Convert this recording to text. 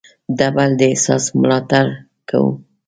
د بل د احساس ملاتړ کوو.